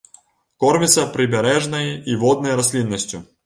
Корміцца прыбярэжнай і воднай расліннасцю.